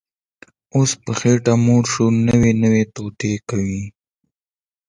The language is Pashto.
اوس په خېټه موړ شو، نوې نوې توطیې کوي